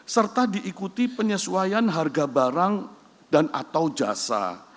serta diikuti penyesuaian harga barang dan atau jasa